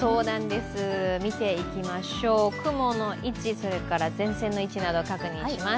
見ていきましょう、雲の位置それから前線の位置など確認します。